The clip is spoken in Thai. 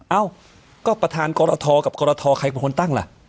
เอ้าก็ประธานกรทกับกรทใครเป็นคนตั้งล่ะ